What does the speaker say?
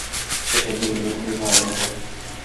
শেষের দিনগুলো খুবই ভয়াবহ ছিল।